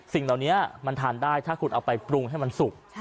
สิ่งเหล่านี้มันทานได้ถ้าคุณเอาไปปรุงให้มันสุก